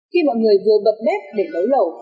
khi mọi người vừa bật bếp để nấu lẩu